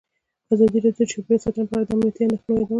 ازادي راډیو د چاپیریال ساتنه په اړه د امنیتي اندېښنو یادونه کړې.